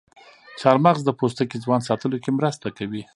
چارمغز د پوستکي ځوان ساتلو کې مرسته کوي.